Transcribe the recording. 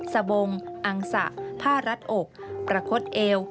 สบงอังสะผ้ารัดอกประคดเอว